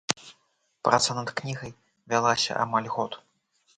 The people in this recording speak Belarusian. Праца над кнігай вялася амаль год.